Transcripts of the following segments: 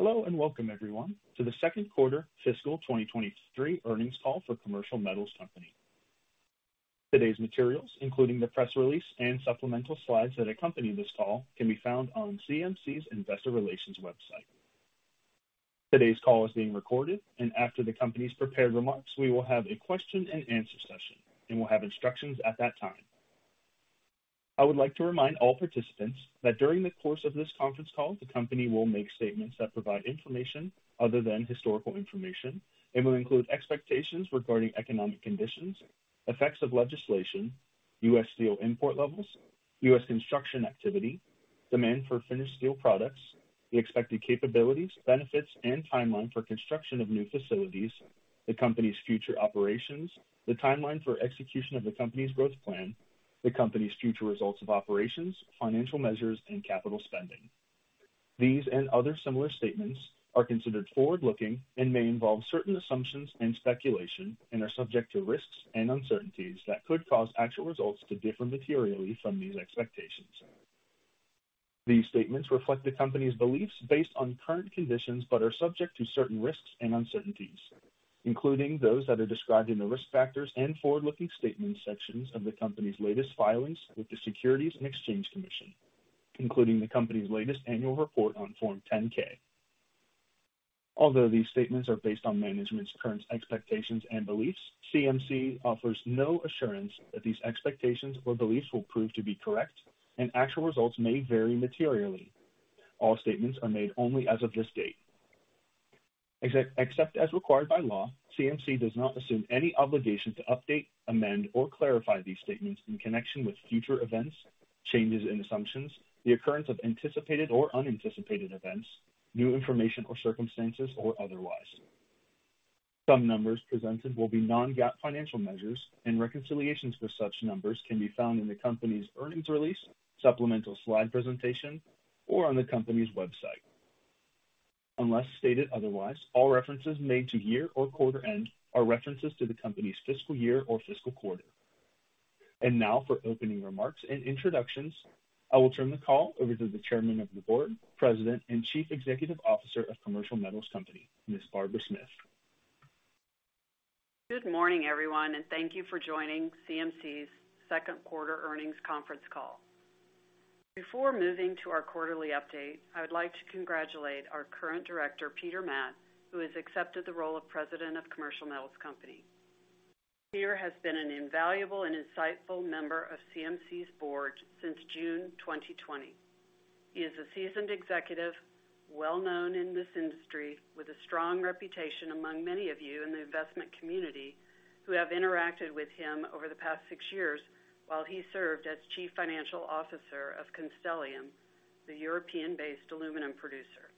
Hello, and welcome, everyone, to the Second Quarter Fiscal 2023 Earnings Call for Commercial Metals Company. Today's materials, including the press release and supplemental slides that accompany this call, can be found on CMC's Investor Relations website. Today's call is being recorded, and after the company's prepared remarks, we will have a Q&A session, and we'll have instructions at that time. I would like to remind all participants that during the course of this conference call, the company will make statements that provide information other than historical information. It will include expectations regarding economic conditions, effects of legislation, U.S. steel import levels, U.S. construction activity, demand for finished steel products, the expected capabilities, benefits, and timeline for construction of new facilities, the company's future operations, the timeline for execution of the company's growth plan, the company's future results of operations, financial measures, and capital spending. These and other similar statements are considered forward-looking and may involve certain assumptions and speculation and are subject to risks and uncertainties that could cause actual results to differ materially from these expectations. These statements reflect the company's beliefs based on current conditions, but are subject to certain risks and uncertainties, including those that are described in the risk factors and forward-looking statement sections of the company's latest filings with the Securities and Exchange Commission, including the company's latest annual report on Form 10-K. Although these statements are based on management's current expectations and beliefs, CMC offers no assurance that these expectations or beliefs will prove to be correct, and actual results may vary materially. All statements are made only as of this date. Except as required by law, CMC does not assume any obligation to update, amend, or clarify these statements in connection with future events, changes in assumptions, the occurrence of anticipated or unanticipated events, new information or circumstances, or otherwise. Some numbers presented will be non-GAAP financial measures, and reconciliations for such numbers can be found in the company's earnings release, supplemental slide presentation, or on the company's website. Unless stated otherwise, all references made to year or quarter end are references to the company's fiscal year or fiscal quarter. Now for opening remarks and introductions, I will turn the call over to the Chairman of the Board, President, and Chief Executive Officer of Commercial Metals Company, Ms. Barbara Smith. Good morning, everyone, and thank you for joining CMC's second quarter earnings conference call. Before moving to our quarterly update, I would like to congratulate our current director, Peter Matt, who has accepted the role of President of Commercial Metals Company. Peter has been an invaluable and insightful member of CMC's board since June 2020. He is a seasoned executive, well-known in this industry, with a strong reputation among many of you in the investment community who have interacted with him over the past six years while he served as Chief Financial Officer of Constellium, the European-based aluminum producer.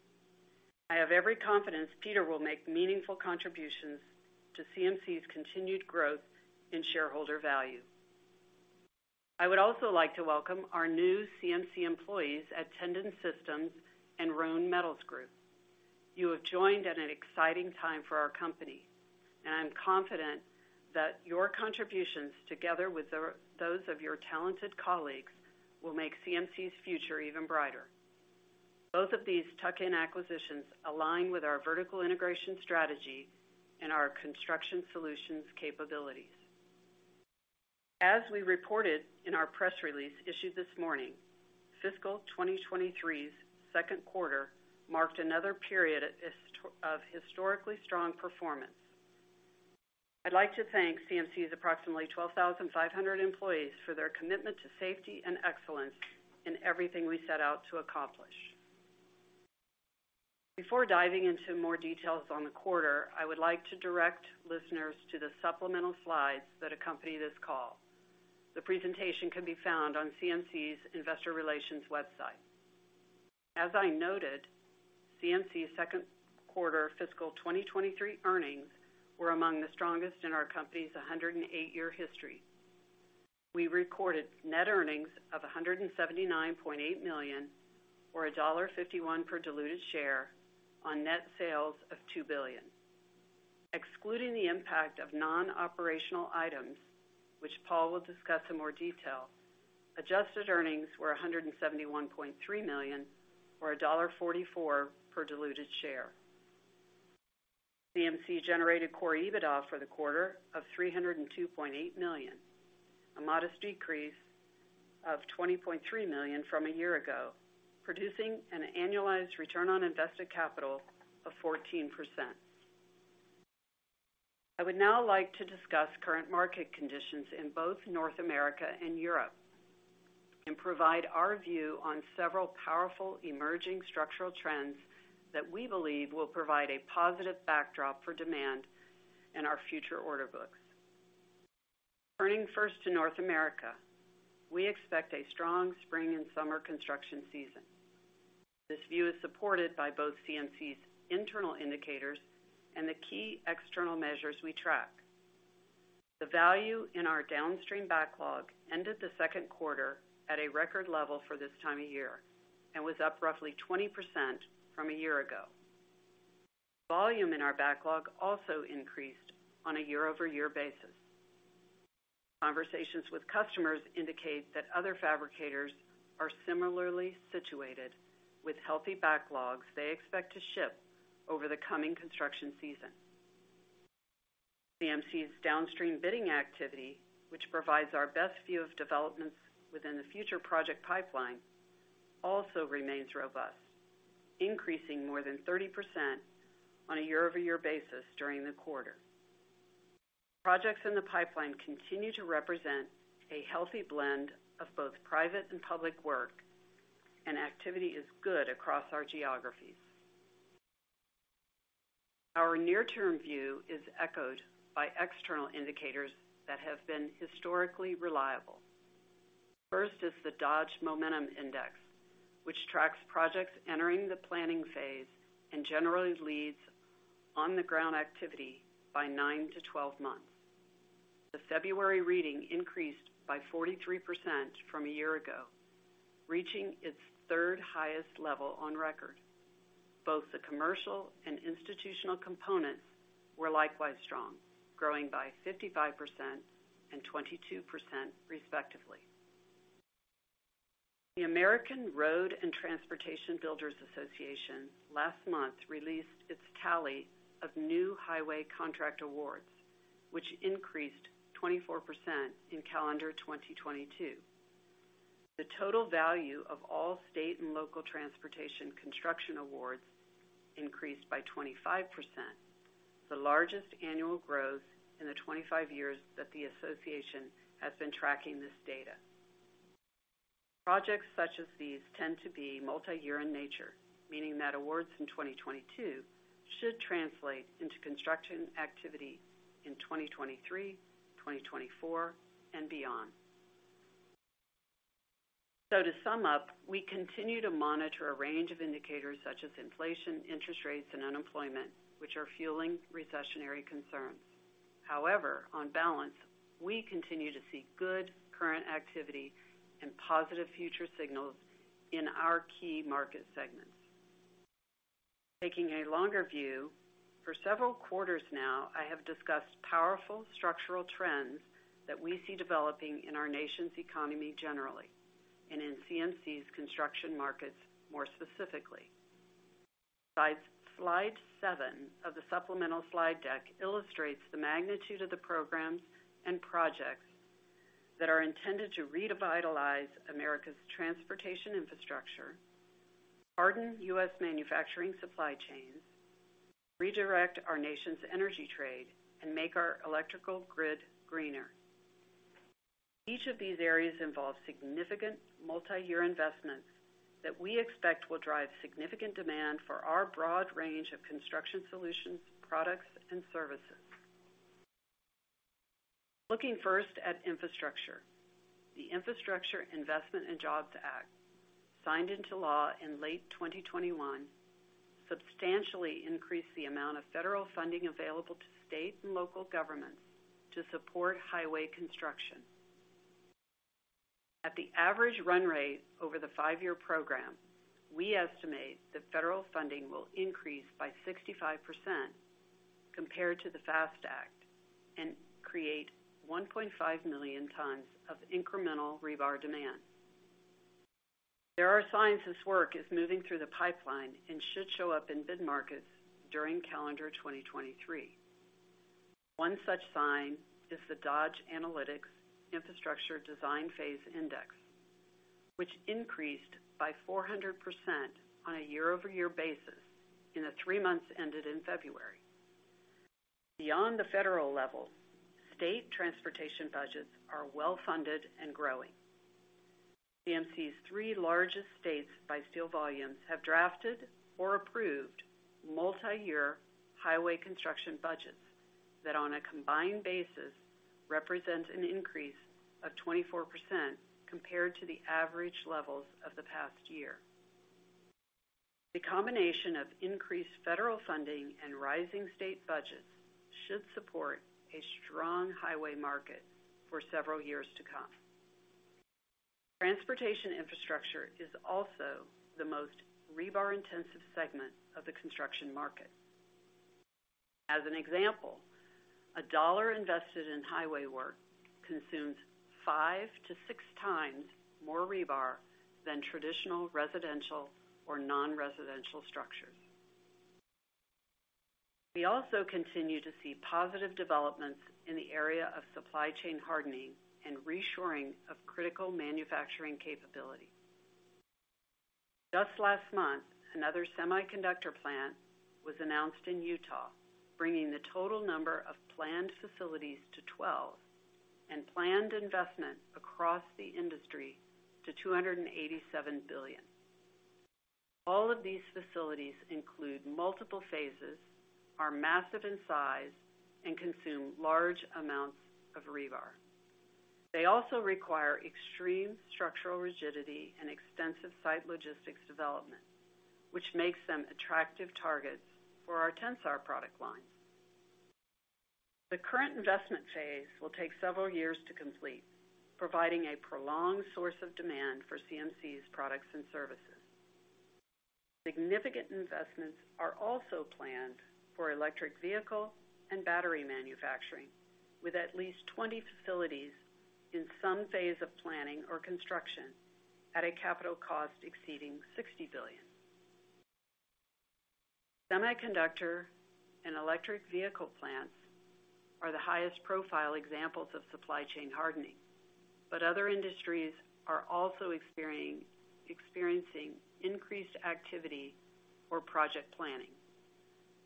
I have every confidence Peter will make meaningful contributions to CMC's continued growth in shareholder value. I would also like to welcome our new CMC employees at Tendon Systems and Roane Metals Group. You have joined at an exciting time for our company, and I'm confident that your contributions, together with those of your talented colleagues, will make CMC's future even brighter. Both of these tuck-in acquisitions align with our vertical integration strategy and our construction solutions capabilities. As we reported in our press release issued this morning, fiscal 2023's second quarter marked another period of historically strong performance. I'd like to thank CMC's approximately 12,500 employees for their commitment to safety and excellence in everything we set out to accomplish. Before diving into more details on the quarter, I would like to direct listeners to the supplemental slides that accompany this call. The presentation can be found on CMC's Investor Relations website. As I noted, CMC's second quarter fiscal 2023 earnings were among the strongest in our company's 108-year history. We recorded net earnings of $179.8 million, or $1.51 per diluted share, on net sales of $2 billion. Excluding the impact of non-operational items, which Paul will discuss in more detail, adjusted earnings were $171.3 million, or $1.44 per diluted share. CMC generated core EBITDA for the quarter of $302.8 million, a modest decrease of $20.3 million from a year ago, producing an annualized return on invested capital of 14%. I would now like to discuss current market conditions in both North America and Europe and provide our view on several powerful emerging structural trends that we believe will provide a positive backdrop for demand in our future order books. Turning first to North America, we expect a strong spring and summer construction season. This view is supported by both CMC's internal indicators and the key external measures we track. The value in our downstream backlog ended the second quarter at a record level for this time of year and was up roughly 20% from a year ago. Volume in our backlog also increased on a year-over-year basis. Conversations with customers indicate that other fabricators are similarly situated with healthy backlogs they expect to ship over the coming construction season. CMC's downstream bidding activity, which provides our best view of developments within the future project pipeline, also remains robust, increasing more than 30% on a year-over-year basis during the quarter. Projects in the pipeline continue to represent a healthy blend of both private and public work, and activity is good across our geographies. Our near-term view is echoed by external indicators that have been historically reliable. First is the Dodge Momentum Index, which tracks projects entering the planning phase and generally leads on-the-ground activity by nine-12 months. The February reading increased by 43% from a year ago, reaching its third-highest level on record. Both the commercial and institutional components were likewise strong, growing by 55% and 22%, respectively. The American Road and Transportation Builders Association last month released its tally of new highway contract awards, which increased 24% in calendar 2022. The total value of all state and local transportation construction awards increased by 25%, the largest annual growth in the 25 years that the association has been tracking this data. Projects such as these tend to be multi-year in nature, meaning that awards in 2022 should translate into construction activity in 2023, 2024, and beyond. To sum up, we continue to monitor a range of indicators such as inflation, interest rates, and unemployment, which are fueling recessionary concerns. On balance, we continue to see good current activity and positive future signals in our key market segments. Taking a longer view, for several quarters now, I have discussed powerful structural trends that we see developing in our nation's economy generally, and in CMC's construction markets more specifically. Slide seven of the supplemental slide deck illustrates the magnitude of the programs and projects that are intended to revitalize America's transportation infrastructure, harden U.S. manufacturing supply chains, redirect our nation's energy trade, and make our electrical grid greener. Each of these areas involves significant multi-year investments that we expect will drive significant demand for our broad range of construction solutions, products, and services. Looking first at infrastructure. The Infrastructure Investment and Jobs Act, signed into law in late 2021, substantially increased the amount of federal funding available to state and local governments to support highway construction. At the average run rate over the five-year program, we estimate that federal funding will increase by 65% compared to the FAST Act and create 1.5 million tons of incremental rebar demand. There are signs this work is moving through the pipeline and should show up in bid markets during calendar 2023. One such sign is the Dodge Analytics Infrastructure Design Phase Index, which increased by 400% on a year-over-year basis in the three months ended in February. Beyond the federal level, state transportation budgets are well-funded and growing. CMC's three largest states by steel volumes have drafted or approved multi-year highway construction budgets that, on a combined basis, represent an increase of 24% compared to the average levels of the past year. The combination of increased federal funding and rising state budgets should support a strong highway market for several years to come. Transportation infrastructure is also the most rebar-intensive segment of the construction market. As an example, a dollar invested in highway work consumes 5 to 6 times more rebar than traditional residential or non-residential structures. We also continue to see positive developments in the area of supply chain hardening and reshoring of critical manufacturing capability. Just last month, another semiconductor plant was announced in Utah, bringing the total number of planned facilities to 12 and planned investment across the industry to $287 billion. All of these facilities include multiple phases, are massive in size, and consume large amounts of rebar. They also require extreme structural rigidity and extensive site logistics development, which makes them attractive targets for our Tensar product line. The current investment phase will take several years to complete, providing a prolonged source of demand for CMC's products and services. Significant investments are also planned for electric vehicle and battery manufacturing, with at least 20 facilities in some phase of planning or construction at a capital cost exceeding $60 billion. Semiconductor and electric vehicle plants are the highest profile examples of supply chain hardening, but other industries are also experiencing increased activity or project planning.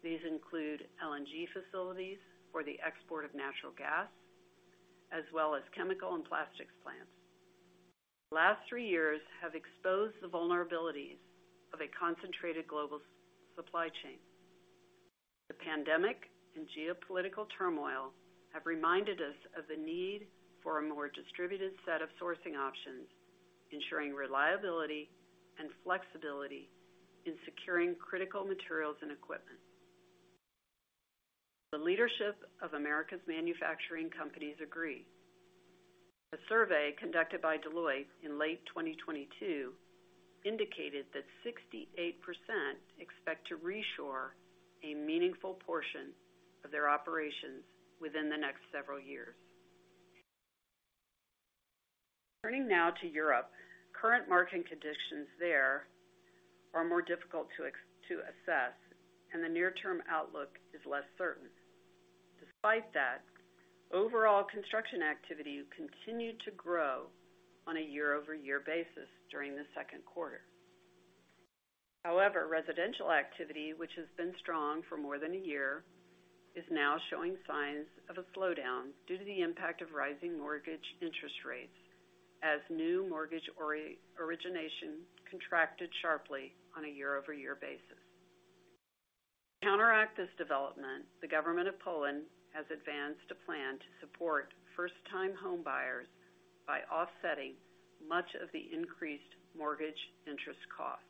These include LNG facilities for the export of natural gas, as well as chemical and plastics plants. The last three years have exposed the vulnerabilities of a concentrated global supply chain. The pandemic and geopolitical turmoil have reminded us of the need for a more distributed set of sourcing options, ensuring reliability and flexibility in securing critical materials and equipment. The leadership of America's manufacturing companies agree. A survey conducted by Deloitte in late 2022 indicated that 68% expect to reshore a meaningful portion of their operations within the next several years. Turning now to Europe. Current market conditions there are more difficult to assess, and the near-term outlook is less certain. Despite that, overall construction activity continued to grow on a year-over-year basis during the second quarter. However, residential activity, which has been strong for more than a year, is now showing signs of a slowdown due to the impact of rising mortgage interest rates as new mortgage origination contracted sharply on a year-over-year basis. To counteract this development, the government of Poland has advanced a plan to support first-time homebuyers by offsetting much of the increased mortgage interest costs.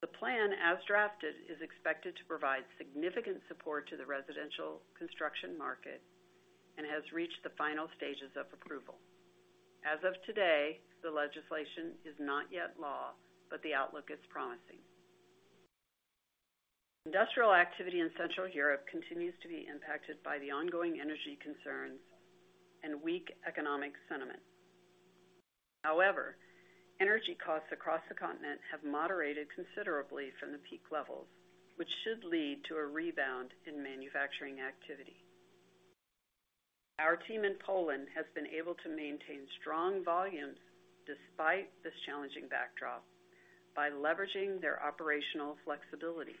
The plan, as drafted, is expected to provide significant support to the residential construction market and has reached the final stages of approval. As of today, the legislation is not yet law. The outlook is promising. Industrial activity in Central Europe continues to be impacted by the ongoing energy concerns and weak economic sentiment. Energy costs across the continent have moderated considerably from the peak levels, which should lead to a rebound in manufacturing activity. Our team in Poland has been able to maintain strong volumes despite this challenging backdrop by leveraging their operational flexibility.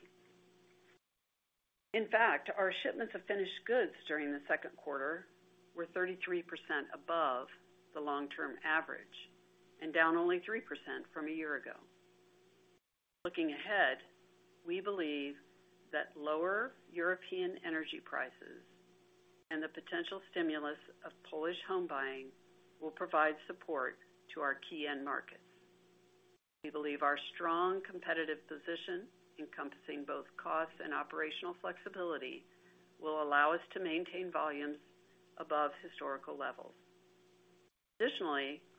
Our shipments of finished goods during the second quarter were 33% above the long-term average and down only 3% from a year ago. Looking ahead, we believe that lower European energy prices and the potential stimulus of Polish home buying will provide support to our key end markets. We believe our strong competitive position, encompassing both cost and operational flexibility, will allow us to maintain volumes above historical levels.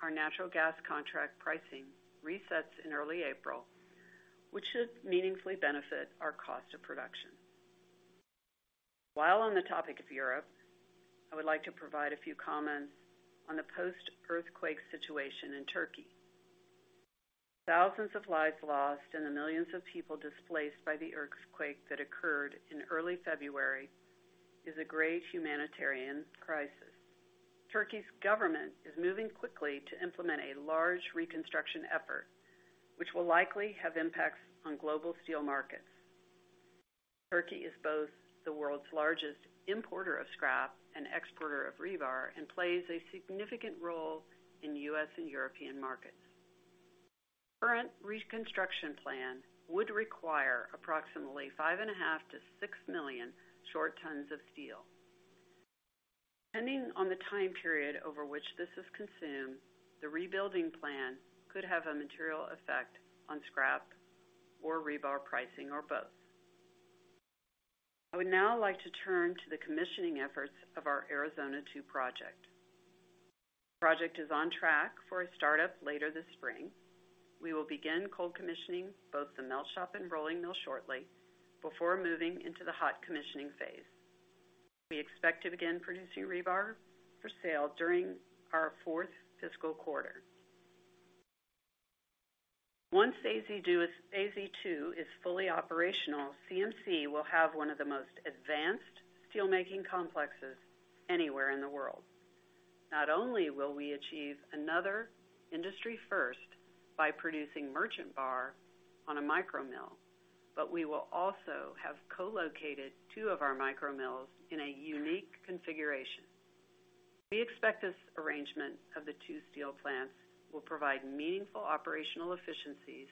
Our natural gas contract pricing resets in early April, which should meaningfully benefit our cost of production. On the topic of Europe, I would like to provide a few comments on the post-earthquake situation in Turkey. Thousands of lives lost and the millions of people displaced by the earthquake that occurred in early February is a great humanitarian crisis. Turkey's government is moving quickly to implement a large reconstruction effort, which will likely have impacts on global steel markets. Turkey is both the world's largest importer of scrap and exporter of rebar and plays a significant role in the U.S. and European markets. Current reconstruction plan would require approximately 5.5 to 6 million short tons of steel. Depending on the time period over which this is consumed, the rebuilding plan could have a material effect on scrap or rebar pricing or both. I would now like to turn to the commissioning efforts of our Arizona 2 project. Project is on track for a startup later this spring. We will begin cold commissioning both the melt shop and rolling mill shortly before moving into the hot commissioning phase. We expect to begin producing rebar for sale during our fourth fiscal quarter. Once AZ 2 is fully operational, CMC will have one of the most advanced steelmaking complexes anywhere in the world. Not only will we achieve another industry first by producing merchant bar on a micro mill, but we will also have co-located two of our micro mills in a unique configuration. We expect this arrangement of the two steel plants will provide meaningful operational efficiencies,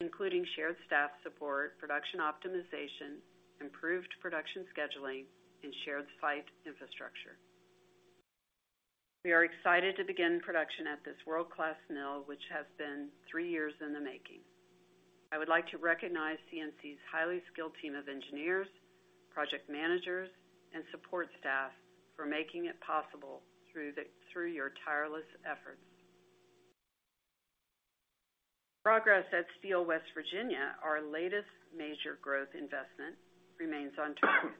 including shared staff support, production optimization, improved production scheduling, and shared site infrastructure. We are excited to begin production at this world-class mill, which has been three years in the making. I would like to recognize CMC's highly skilled team of engineers, project managers, and support staff for making it possible through your tireless efforts. Progress at Steel West Virginia, our latest major growth investment, remains on target.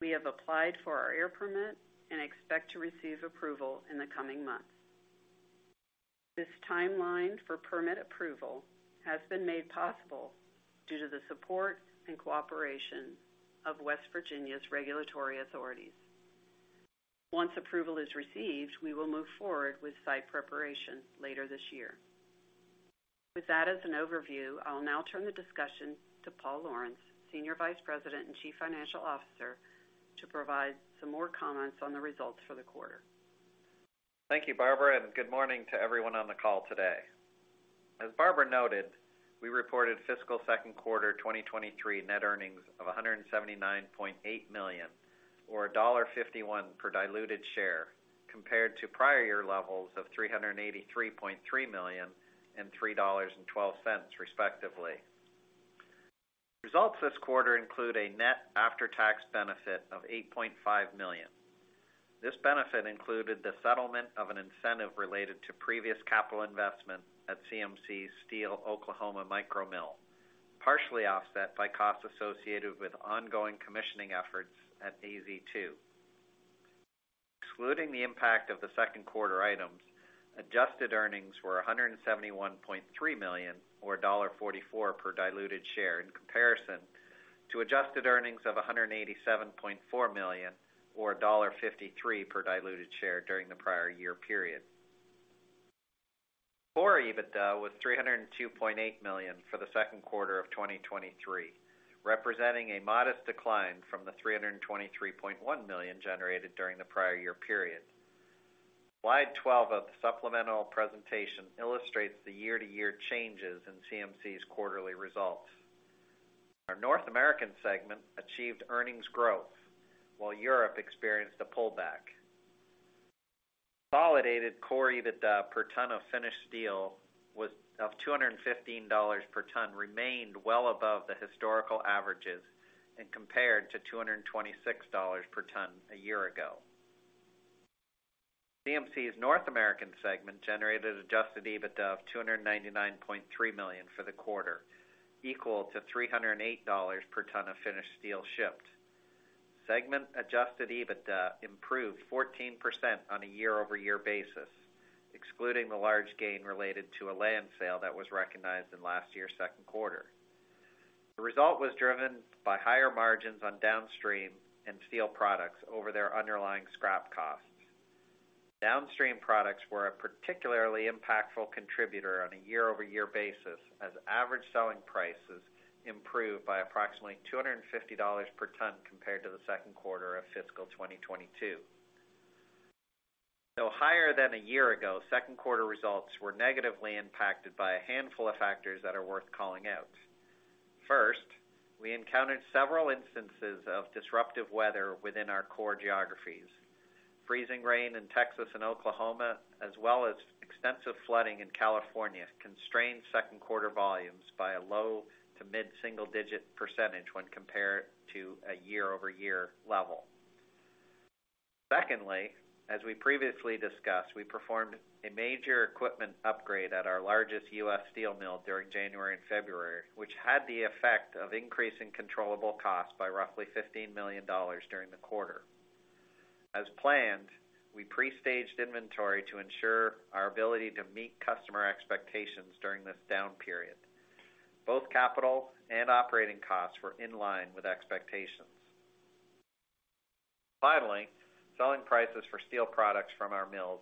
We have applied for our air permit and expect to receive approval in the coming months. This timeline for permit approval has been made possible due to the support and cooperation of West Virginia's regulatory authorities. Once approval is received, we will move forward with site preparation later this year. With that as an overview, I'll now turn the discussion to Paul Lawrence, Senior Vice President and Chief Financial Officer, to provide some more comments on the results for the quarter. Thank you, Barbara. Good morning to everyone on the call today. As Barbara noted, we reported fiscal second quarter 2023 net earnings of $179.8 million or $1.51 per diluted share, compared to prior year levels of $383.3 million and $3.12, respectively. Results this quarter include a net after-tax benefit of $8.5 million. This benefit included the settlement of an incentive related to previous capital investment at CMC's Steel Oklahoma micro mill, partially offset by costs associated with ongoing commissioning efforts at AZ2. Excluding the impact of the second quarter items, adjusted earnings were $171.3 million or $1.44 per diluted share in comparison to adjusted earnings of $187.4 million or $1.53 per diluted share during the prior year period. Core EBITDA was $302.8 million for the second quarter of 2023, representing a modest decline from the $323.1 million generated during the prior year period. Slide 12 of the supplemental presentation illustrates the year-to-year changes in CMC's quarterly results. Our North American segment achieved earnings growth, while Europe experienced a pullback. Consolidated core EBITDA per ton of finished steel with of $215 per ton remained well above the historical averages and compared to $226 per ton a year ago. CMC's North American segment generated adjusted EBITDA of $299.3 million for the quarter, equal to $308 per ton of finished steel shipped. Segment adjusted EBITDA improved 14% on a year-over-year basis, excluding the large gain related to a land sale that was recognized in last year's second quarter. The result was driven by higher margins on downstream and steel products over their underlying scrap costs. Downstream products were a particularly impactful contributor on a year-over-year basis as average selling prices improved by approximately $250 per ton compared to the second quarter of fiscal 2022. Though higher than a year ago, second quarter results were negatively impacted by a handful of factors that are worth calling out. First, we encountered several instances of disruptive weather within our core geographies. Freezing rain in Texas and Oklahoma, as well as extensive flooding in California, constrained second quarter volumes by a low- to mid-single-digit percentage when compared to a year-over-year level. As we previously discussed, we performed a major equipment upgrade at our largest U.S. steel mill during January and February, which had the effect of increasing controllable costs by roughly $15 million during the quarter. As planned, we pre-staged inventory to ensure our ability to meet customer expectations during this down period. Both capital and operating costs were in line with expectations. Selling prices for steel products from our mills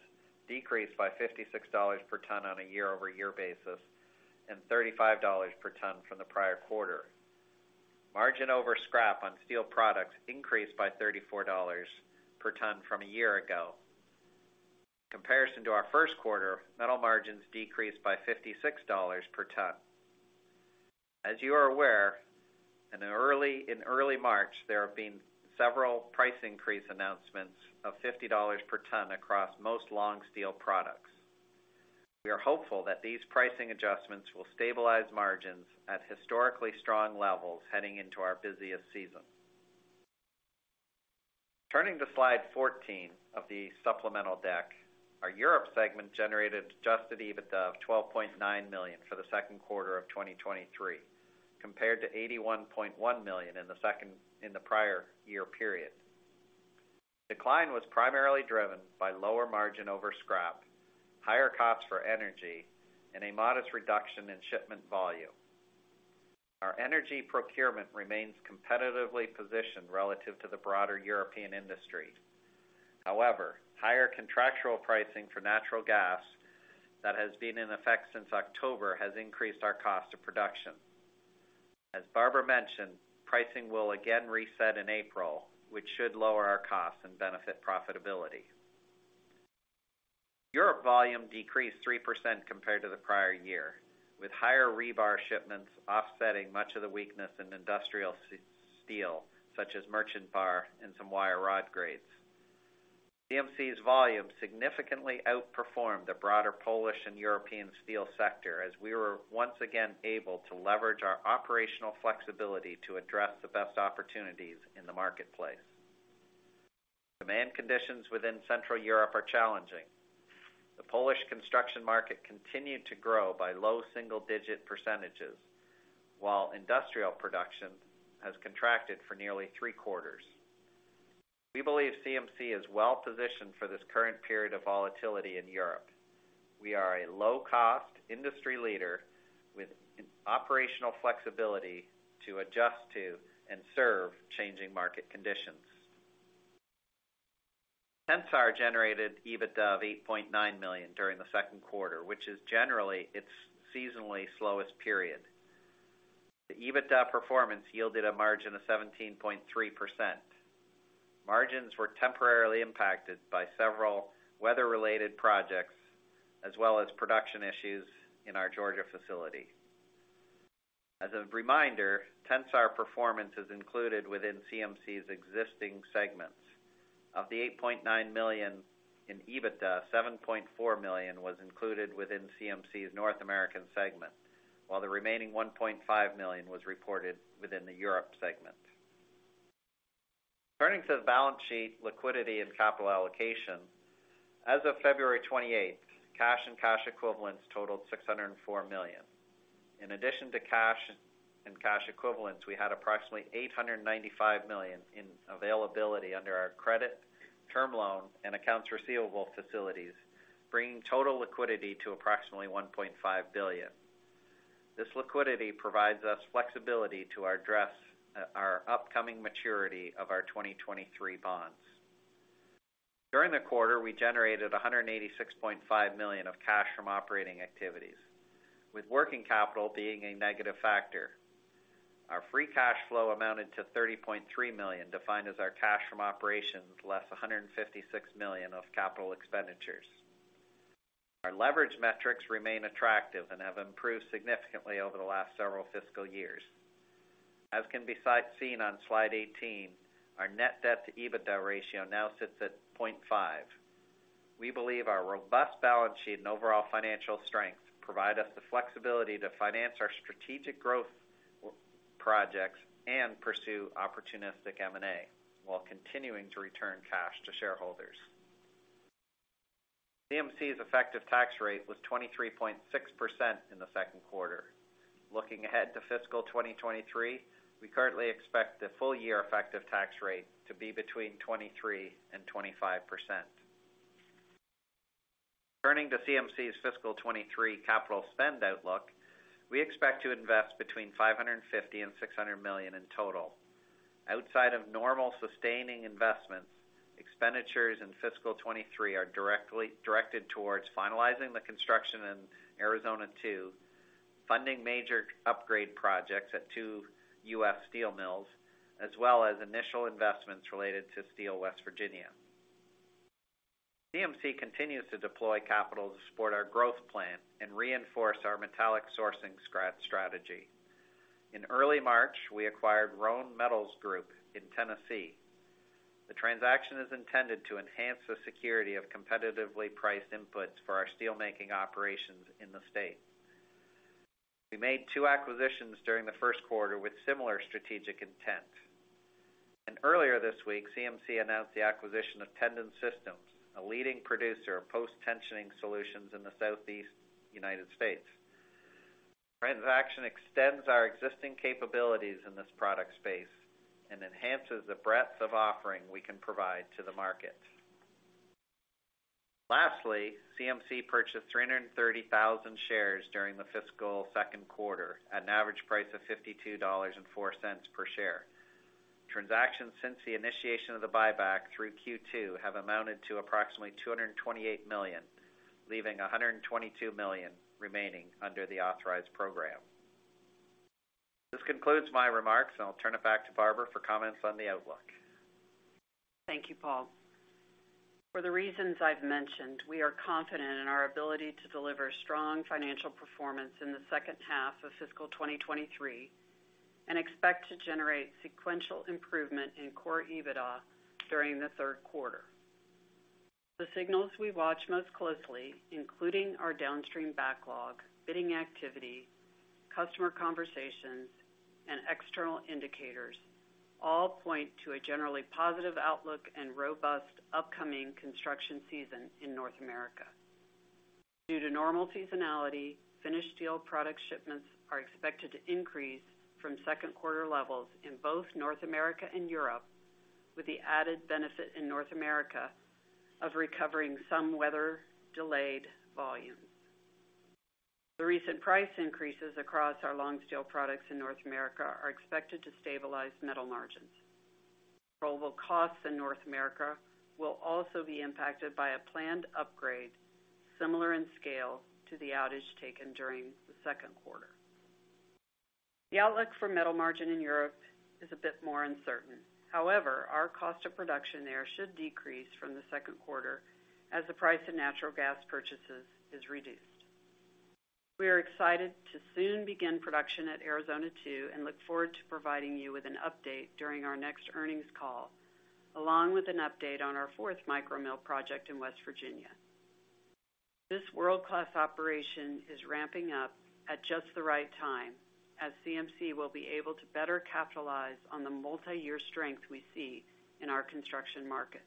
decreased by $56 per ton on a year-over-year basis and $35 per ton from the prior quarter. Margin over scrap on steel products increased by $34 per ton from a year ago. In comparison to our first quarter, metal margins decreased by $56 per ton. As you are aware, in early March, there have been several price increase announcements of $50 per ton across most long steel products. We are hopeful that these pricing adjustments will stabilize margins at historically strong levels heading into our busiest season. Turning to slide 14 of the supplemental deck, our Europe segment generated adjusted EBITDA of $12.9 million for the second quarter of 2023, compared to $81.1 million in the prior year period. Decline was primarily driven by lower margin over scrap, higher costs for energy, and a modest reduction in shipment volume. Our energy procurement remains competitively positioned relative to the broader European industry. However, higher contractual pricing for natural gas that has been in effect since October has increased our cost of production. As Barbara mentioned, pricing will again reset in April, which should lower our costs and benefit profitability. Europe volume decreased 3% compared to the prior year, with higher rebar shipments offsetting much of the weakness in industrial steel, such as merchant bar and some wire rod grades. CMC's volume significantly outperformed the broader Polish and European steel sector as we were once again able to leverage our operational flexibility to address the best opportunities in the marketplace. Demand conditions within Central Europe are challenging. The Polish construction market continued to grow by low single-digit percentages, while industrial production has contracted for nearly three quarters. We believe CMC is well-positioned for this current period of volatility in Europe. We are a low-cost industry leader with operational flexibility to adjust to and serve changing market conditions. Tensar generated EBITDA of $8.9 million during the second quarter, which is generally its seasonally slowest period. The EBITDA performance yielded a margin of 17.3%. Margins were temporarily impacted by several weather-related projects as well as production issues in our Georgia facility. As a reminder, Tensar performance is included within CMC's existing segments. Of the $8.9 million in EBITDA, $7.4 million was included within CMC's North American segment, while the remaining $1.5 million was reported within the Europe segment. Turning to the balance sheet, liquidity, and capital allocation, as of February 28th, cash and cash equivalents totaled $604 million. In addition to cash and cash equivalents, we had approximately $895 million in availability under our credit, term loan, and accounts receivable facilities, bringing total liquidity to approximately $1.5 billion. This liquidity provides us flexibility to address our upcoming maturity of our 2023 bonds. During the quarter, we generated $186.5 million of cash from operating activities, with working capital being a negative factor. Our free cash flow amounted to $30.3 million, defined as our cash from operations, less $156 million of capital expenditures. Our leverage metrics remain attractive and have improved significantly over the last several fiscal years. As can be seen on slide 18, our net debt-to-EBITDA ratio now sits at 0.5. We believe our robust balance sheet and overall financial strength provide us the flexibility to finance our strategic growth projects and pursue opportunistic M&A, while continuing to return cash to shareholders. CMC's effective tax rate was 23.6% in the second quarter. Looking ahead to fiscal 2023, we currently expect the full-year effective tax rate to be between 23% and 25%. Turning to CMC's fiscal 2023 capital spend outlook, we expect to invest between $550 million and $600 million in total. Outside of normal sustaining investments, expenditures in fiscal 2023 are directed towards finalizing the construction in Arizona 2, funding major upgrade projects at two U.S. steel mills, as well as initial investments related to Steel West Virginia. CMC continues to deploy capital to support our growth plan and reinforce our metallic sourcing strategy. In early March, we acquired Roane Metals Group in Tennessee. The transaction is intended to enhance the security of competitively priced inputs for our steelmaking operations in the state. We made two acquisitions during the first quarter with similar strategic intent. Earlier this week, CMC announced the acquisition of Tendon Systems, a leading producer of post-tensioning solutions in the Southeast United States. Transaction extends our existing capabilities in this product space and enhances the breadth of offering we can provide to the market. Lastly, CMC purchased 330,000 shares during the fiscal second quarter at an average price of $52.04 per share. Transactions since the initiation of the buyback through Q2 have amounted to approximately $228 million, leaving $122 million remaining under the authorized program. This concludes my remarks, and I'll turn it back to Barbara for comments on the outlook. Thank you, Paul. For the reasons I've mentioned, we are confident in our ability to deliver strong financial performance in the second half of fiscal 2023 and expect to generate sequential improvement in core EBITDA during the third quarter. The signals we watch most closely, including our downstream backlog, bidding activity, customer conversations, and external indicators, all point to a generally positive outlook and robust upcoming construction season in North America. Due to normal seasonality, finished steel product shipments are expected to increase from second quarter levels in both North America and Europe, with the added benefit in North America of recovering some weather-delayed volumes. The recent price increases across our long steel products in North America are expected to stabilize metal margins. Roll costs in North America will also be impacted by a planned upgrade similar in scale to the outage taken during the second quarter. The outlook for metal margin in Europe is a bit more uncertain. However, our cost of production there should decrease from the second quarter as the price of natural gas purchases is reduced. We are excited to soon begin production at Arizona 2 and look forward to providing you with an update during our next earnings call, along with an update on our fourth micro mill project in West Virginia. This world-class operation is ramping up at just the right time, as CMC will be able to better capitalize on the multi-year strength we see in our construction markets.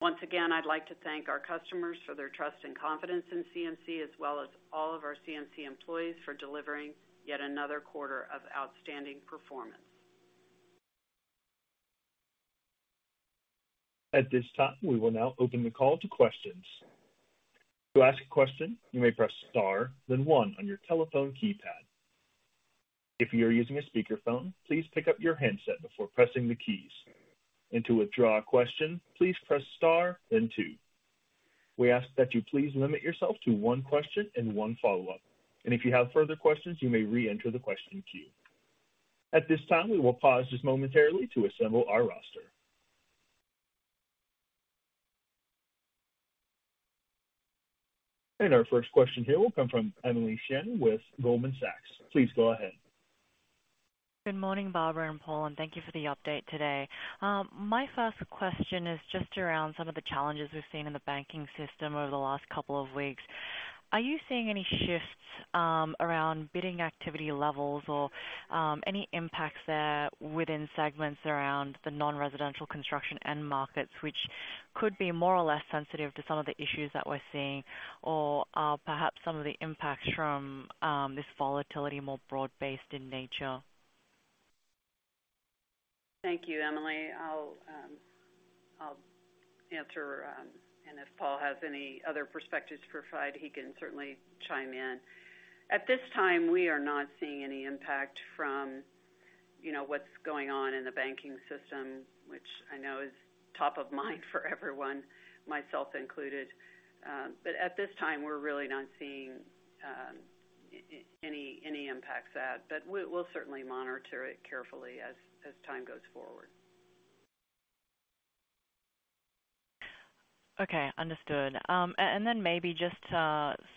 Once again, I'd like to thank our customers for their trust and confidence in CMC, as well as all of our CMC employees for delivering yet another quarter of outstanding performance. At this time, we will now open the call to questions. To ask a question, you may press star, then one on your telephone keypad. If you're using a speakerphone, please pick up your handset before pressing the keys. To withdraw a question, please press star then two. We ask that you please limit yourself to one question and one follow-up. If you have further questions, you may re-enter the question queue. At this time, we will pause just momentarily to assemble our roster. Our first question here will come from Emily Chieng with Goldman Sachs. Please go ahead. Good morning, Barbara and Paul. Thank you for the update today. My first question is just around some of the challenges we've seen in the banking system over the last couple of weeks. Are you seeing any shifts around bidding activity levels or any impacts there within segments around the non-residential construction end markets, which could be more or less sensitive to some of the issues that we're seeing, or are perhaps some of the impacts from this volatility more broad-based in nature? Thank you, Emily. I'll answer, if Paul has any other perspectives to provide, he can certainly chime in. At this time, we are not seeing any impact from, you know, what's going on in the banking system, which I know is top of mind for everyone, myself included. At this time, we're really not seeing any impacts to that, but we'll certainly monitor it carefully as time goes forward. Okay, understood. Maybe just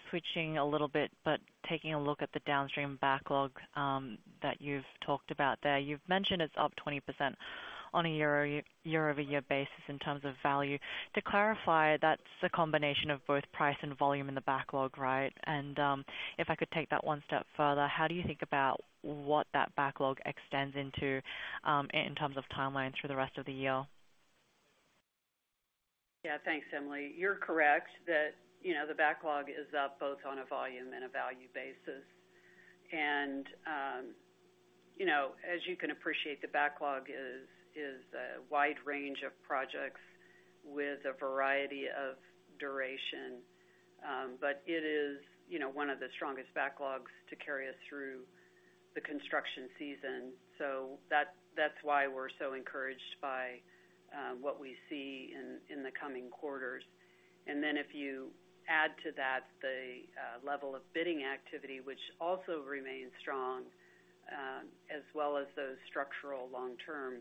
switching a little bit, but taking a look at the downstream backlog, that you've talked about there. You've mentioned it's up 20% on a year-over-year basis in terms of value. To clarify, that's a combination of both price and volume in the backlog, right? If I could take that one step further, how do you think about what that backlog extends into, in terms of timelines for the rest of the year? Yeah, thanks, Emily. You're correct that, you know, the backlog is up both on a volume and a value basis. You know, as you can appreciate, the backlog is a wide range of projects with a variety of duration. It is, you know, one of the strongest backlogs to carry us through the construction season. That's, that's why we're so encouraged by what we see in the coming quarters. If you add to that the level of bidding activity, which also remains strong, as well as those structural long-term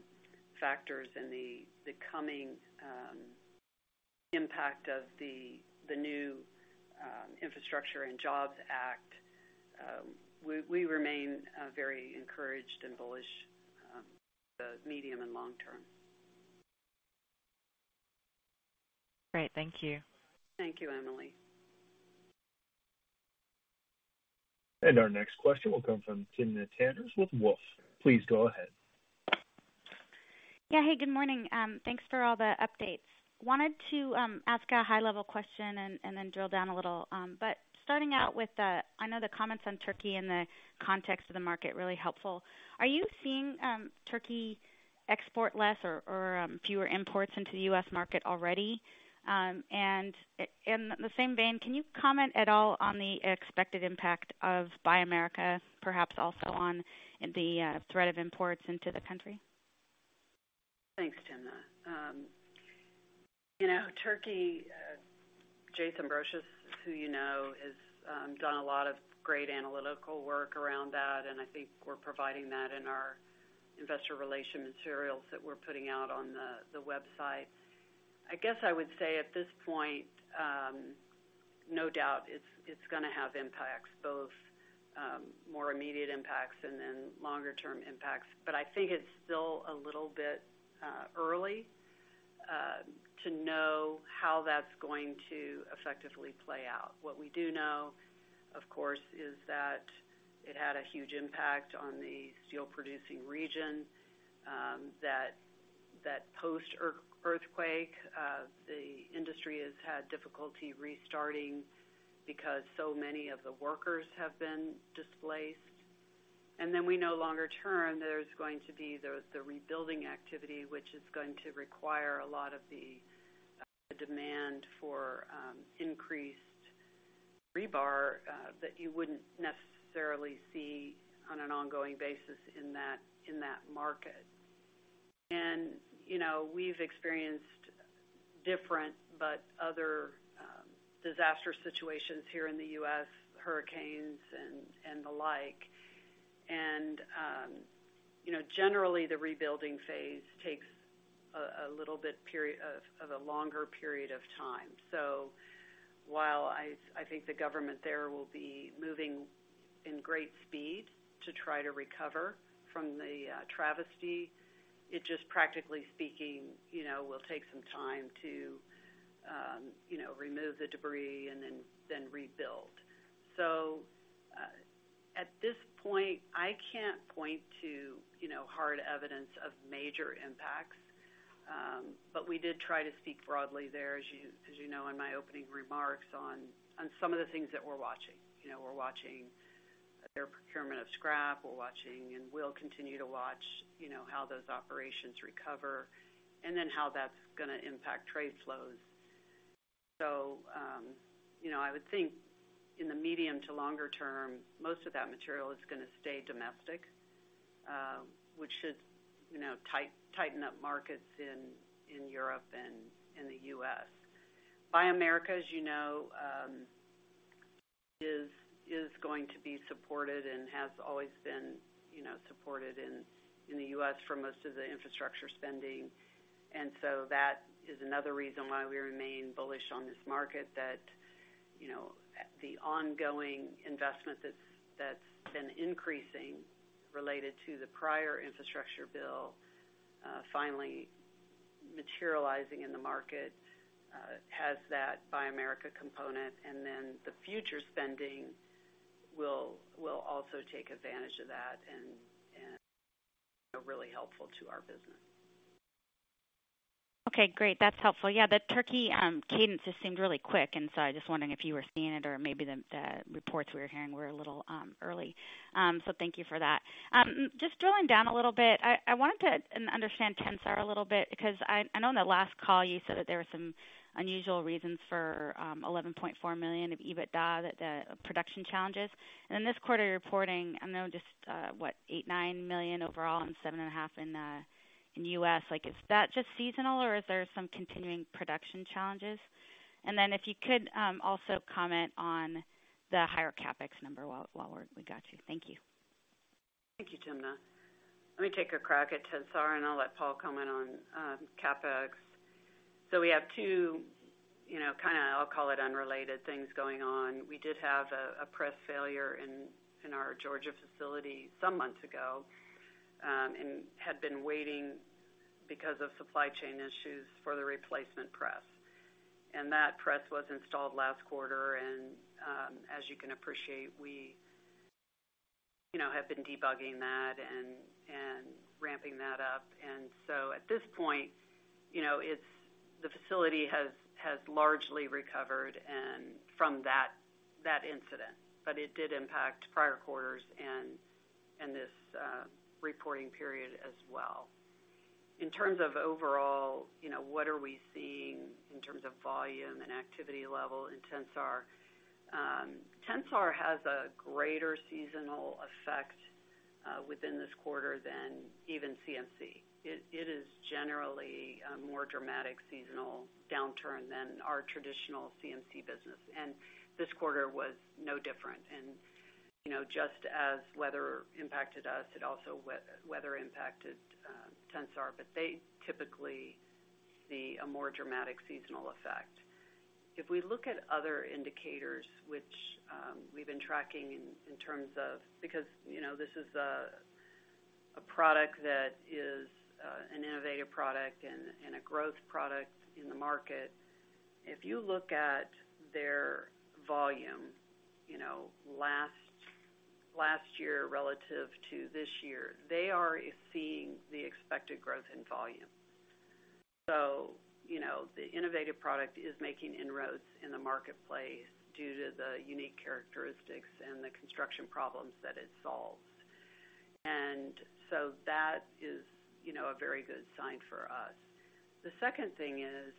factors and the coming impact of the new Infrastructure Investment and Jobs Act, we remain very encouraged and bullish the medium and long term. Great. Thank you. Thank you, Emily. Our next question will come from Timna Tanners with Wolfe. Please go ahead. Yeah. Hey, good morning. Thanks for all the updates. Wanted to ask a high-level question and then drill down a little. Starting out with the. I know the comments on Turkey in the context of the market, really helpful. Are you seeing Turkey export less or fewer imports into the U.S. market already? In the same vein, can you comment at all on the expected impact of Buy America, perhaps also on the threat of imports into the country? Thanks, Timna. you know, Turkey, Jason Brosius, who you know, has done a lot of great analytical work around that, and I think we're providing that in our investor relation materials that we're putting out on the website. I guess I would say at this point, no doubt it's gonna have impacts, both, more immediate impacts and then longer term impacts. I think it's still a little bit early to know how that's going to effectively play out. What we do know, of course, is that it had a huge impact on the steel producing region, that post earthquake, the industry has had difficulty restarting because so many of the workers have been displaced. Then we know longer term, there's going to be those, the rebuilding activity, which is going to require a lot of the demand for increased rebar that you wouldn't necessarily see on an ongoing basis in that, in that market. You know, we've experienced different but other disaster situations here in the U.S., hurricanes and the like. You know, generally the rebuilding phase takes a little bit period of a longer period of time. While I think the government there will be moving in great speed to try to recover from the travesty, it just practically speaking, you know, will take some time to, you know, remove the debris and then rebuild. At this point, I can't point to, you know, hard evidence of major impacts. We did try to speak broadly there, as you, as you know, in my opening remarks on some of the things that we're watching. You know, we're watching their procurement of scrap. We're watching and will continue to watch, you know, how those operations recover, and then how that's gonna impact trade flows. You know, I would think in the medium to longer term, most of that material is gonna stay domestic, which should, you know, tighten up markets in Europe and in the U.S. Buy America, as you know, is going to be supported and has always been, you know, supported in the U.S. for most of the infrastructure spending. That is another reason why we remain bullish on this market that, you know, the ongoing investment that's been increasing related to the prior Infrastructure Bill, finally materializing in the market, has that Buy America component. The future spending will also take advantage of that and are really helpful to our business. Okay, great. That's helpful. Yeah, the Turkey cadence just seemed really quick. I'm just wondering if you were seeing it or maybe the reports we were hearing were a little early. Thank you for that. Just drilling down a little bit, I wanted to understand Tensar a little bit because I know on the last call you said that there were some unusual reasons for $11.4 million of EBITDA that production challenges. In this quarter, you're reporting, I don't know, just what? $8 million-$9 million overall and $7.5 million in U.S. Is that just seasonal or is there some continuing production challenges? If you could also comment on the higher CapEx number while we got you. Thank you. Thank you, Timna. Let me take a crack at Tensar and I'll let Paul comment on CapEx. We have two, you know, kinda I'll call it unrelated things going on. We did have a press failure in our Georgia facility some months ago and had been waiting because of supply chain issues for the replacement press. That press was installed last quarter and as you can appreciate, we, you know, have been debugging that and ramping that up. At this point, you know, the facility has largely recovered from that incident, but it did impact prior quarters and in this reporting period as well. In terms of overall, you know, what are we seeing in terms of volume and activity level in Tensar has a greater seasonal effect within this quarter than even CMC. It is generally a more dramatic seasonal downturn than our traditional CMC business, this quarter was no different. You know, just as weather impacted us, it also weather impacted Tensar, but they typically see a more dramatic seasonal effect. If we look at other indicators, which we've been tracking in terms of. You know, this is a product that is an innovative product and a growth product in the market. If you look at their volume, you know, last year relative to this year, they are seeing the expected growth in volume. You know, the innovative product is making inroads in the marketplace due to the unique characteristics and the construction problems that it solves. That is, you know, a very good sign for us. The second thing is,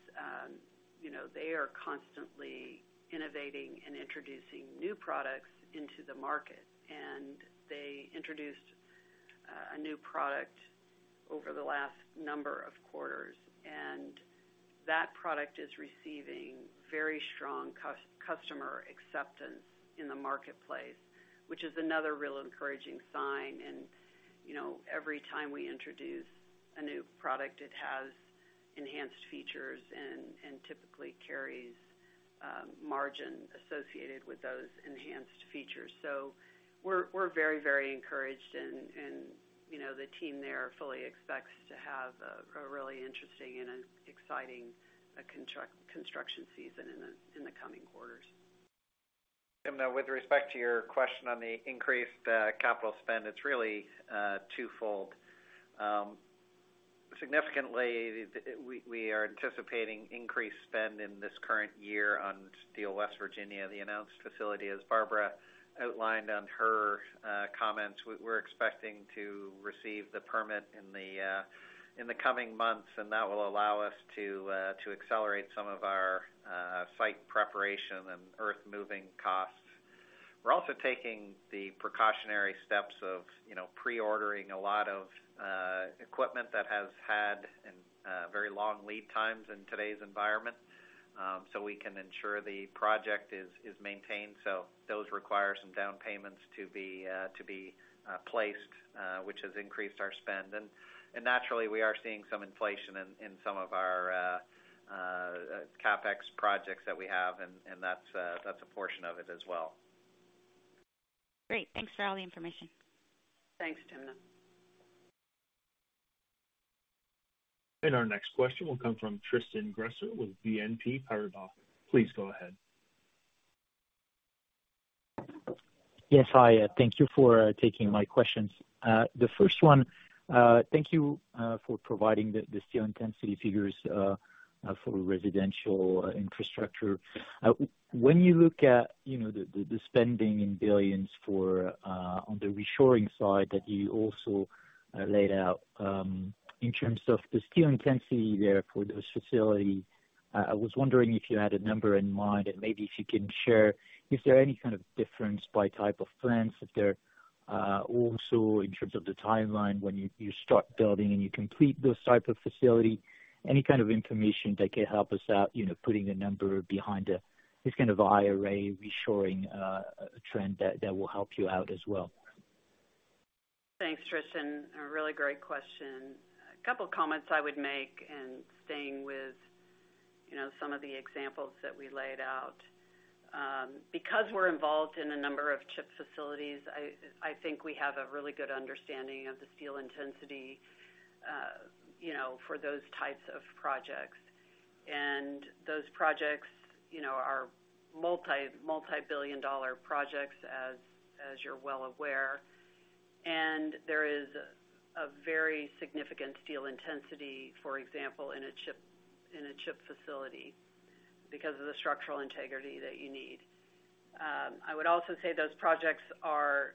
you know, they are constantly innovating and introducing new products into the market, they introduced a new product over the last number of quarters, and that product is receiving very strong customer acceptance in the marketplace, which is another real encouraging sign. you know, every time we introduce a new product, it has enhanced features and typically carries margin associated with those enhanced features. we're very, very encouraged and, you know, the team there fully expects to have a really interesting and an exciting construction season in the, in the coming quarters. Timna, with respect to your question on the increased capital spend, it's really twofold. Significantly, we are anticipating increased spend in this current year on Steel West Virginia, the announced facility. As Barbara outlined on her comments, we're expecting to receive the permit in the coming months, and that will allow us to accelerate some of our site preparation and earth-moving costs. We're also taking the precautionary steps of, you know, pre-ordering a lot of equipment that has had very long lead times in today's environment, so we can ensure the project is maintained. Those require some down payments to be placed, which has increased our spend. Naturally, we are seeing some inflation in some of our CapEx projects that we have, and that's a portion of it as well. Great. Thanks for all the information. Thanks, Timna. Our next question will come from Tristan Gresser with BNP Paribas. Please go ahead. Yes. Hi. Thank you for taking my questions. The first one, thank you for providing the steel intensity figures for residential infrastructure. When you look at, you know, the spending in billions for on the reshoring side that you also laid out, in terms of the steel intensity there for this facility, I was wondering if you had a number in mind and maybe if you can share is there any kind of difference by type of plants? If there also in terms of the timeline when you start building and you complete those type of facility, any kind of information that can help us out, you know, putting a number behind this kind of IRA reshoring trend that will help you out as well. Thanks, Tristan. A really great question. A couple of comments I would make, and staying with, you know, some of the examples that we laid out. Because we're involved in a number of chip facilities, I think we have a really good understanding of the steel intensity, you know, for those types of projects. Those projects, you know, are multibillion-dollar projects as you're well aware. There is a very significant steel intensity, for example, in a chip facility because of the structural integrity that you need. I would also say those projects are,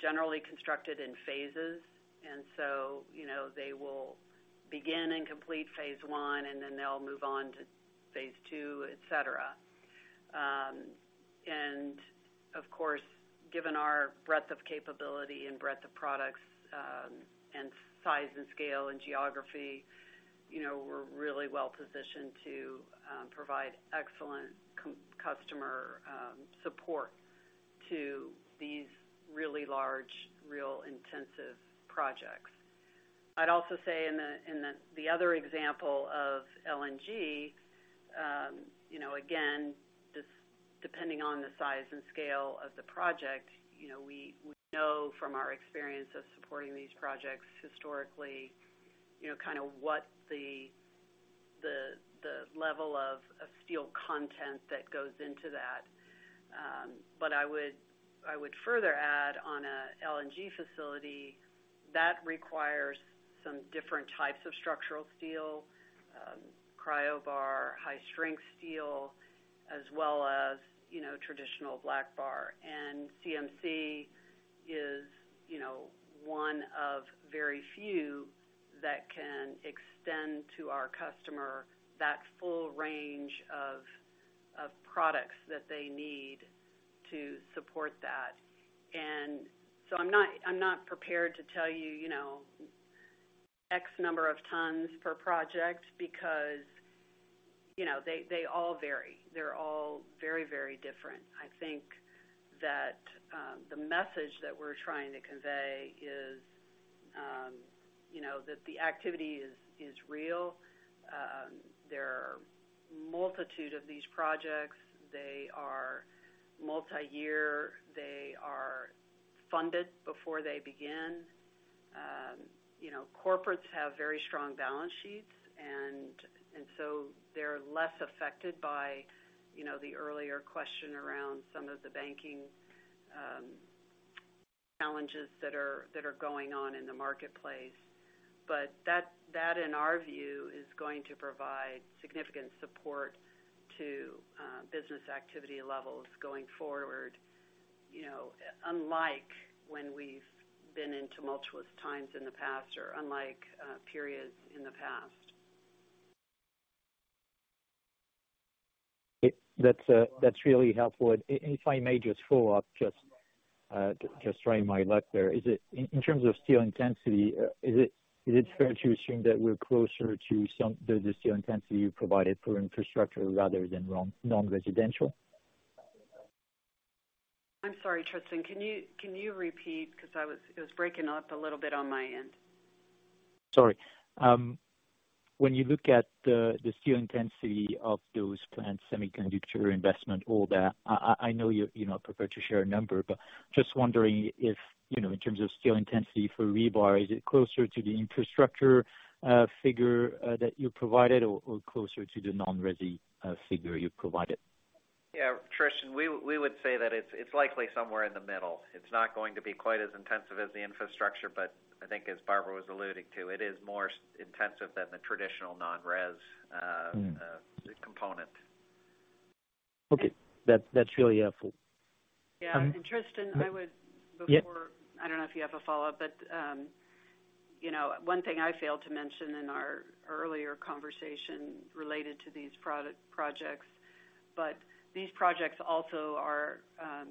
generally constructed in phases, and so, you know, they will begin and complete phase one, and then they'll move on to phase two, et cetera. And of course, given our breadth of capability and breadth of products, and size and scale and geography, you know, we're really well positioned to provide excellent customer support to these really large, real intensive projects. I'd also say in the other example of LNG, you know, again, this depending on the size and scale of the project, you know, we know from our experience of supporting these projects historically, you know, kind of what the level of steel content that goes into that. But I would further add on a LNG facility that requires some different types of structural steel, Cryobar, high-strength steel, as well as, you know, traditional black bar. CMC is, you know, one of very few that can extend to our customer that full range of products that they need to support that. I'm not, I'm not prepared to tell you know, X number of tons per project because, you know, they all vary. They're all very, very different. I think that the message that we're trying to convey is, you know, that the activity is real. There are multitude of these projects. They are multi-year. They are funded before they begin. You know, corporates have very strong balance sheets, and so they're less affected by, you know, the earlier question around some of the banking challenges that are going on in the marketplace. That, in our view, is going to provide significant support to business activity levels going forward, you know, unlike when we've been in tumultuous times in the past or unlike periods in the past. That's, that's really helpful. If I may just follow up, just trying my luck there. Is it in terms of steel intensity, is it, is it fair to assume that we're closer to the steel intensity you provided for infrastructure rather than non-non-residential? I'm sorry, Tristan, can you repeat? 'Cause it was breaking up a little bit on my end. Sorry. When you look at the steel intensity of those plants, semiconductor investment, all that, I know you're not prepared to share a number, but just wondering if, you know, in terms of steel intensity for rebar, is it closer to the infrastructure figure that you provided or closer to the non-resi figure you provided? Yeah. Tristan, we would say that it's likely somewhere in the middle. It's not going to be quite as intensive as the infrastructure, I think as Barbara was alluding to, it is more intensive than the traditional non-res component. Okay. That's really helpful. Yeah. Tristan.I don't know if you have a follow-up, but, you know, one thing I failed to mention in our earlier conversation related to these projects. These projects also are